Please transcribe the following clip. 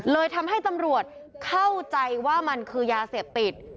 เลยทำให้ตำรวจเข้าใจว่ามันคือยาเสพติด